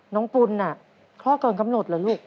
ปุ่นน่ะคลอดเกินกำหนดเหรอลูก